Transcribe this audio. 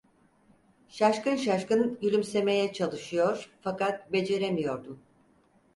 Şaşkın şaşkın gülümsemeye çalışıyor, fakat beceremiyordum.